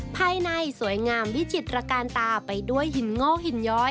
ภายในสวยงามวิจิตรการตาไปด้วยหินงอกหินย้อย